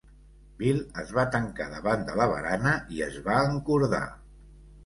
Bill es va tancar davant de la barana i es va encordar.